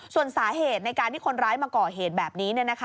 ส่วนสาเหตุในการที่คนร้ายมาก่อเหตุแบบนี้